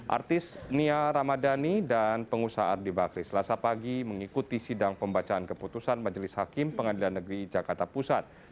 artis nia ramadhani dan pengusaha ardi bakri selasa pagi mengikuti sidang pembacaan keputusan majelis hakim pengadilan negeri jakarta pusat